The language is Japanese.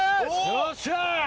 よっしゃ！